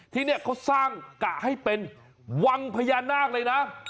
ที่นี่เขาสร้างกะให้เป็นวังพญานาคเลยนะ